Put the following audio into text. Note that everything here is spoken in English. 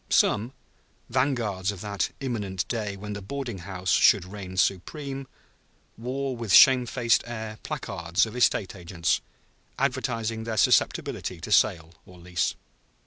Some, vanguards of that imminent day when the boarding house should reign supreme, wore with shamefaced air placards of estate agents, advertising their susceptibility to sale or lease.